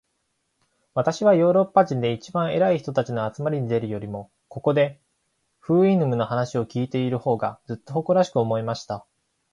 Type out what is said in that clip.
私はヨーロッパで一番偉い人たちの集まりに出るよりも、ここで、フウイヌムの話を開いている方が、ずっと誇らしく思えました。